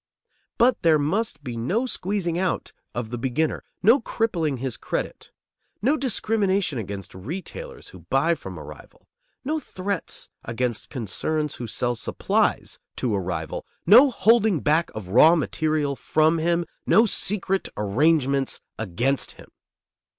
But there must be no squeezing out of the beginner, no crippling his credit; no discrimination against retailers who buy from a rival; no threats against concerns who sell supplies to a rival; no holding back of raw material from him; no secret arrangements against him.